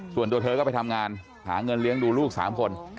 ส่วนตัวเธอก็ไปทำงานหาเงินเลี้ยงดูลูก๓คน